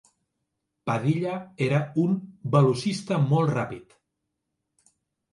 Padilla era un velocista molt ràpid.